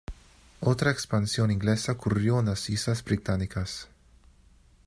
Otra expansión inglesa ocurrió en las Islas Británicas.